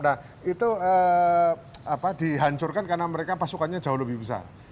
nah itu dihancurkan karena mereka pasukannya jauh lebih besar